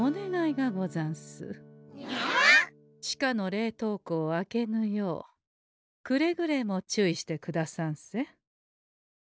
地下の冷凍庫を開けぬようくれぐれも注意してくださんせ。